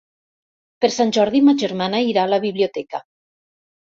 Per Sant Jordi ma germana irà a la biblioteca.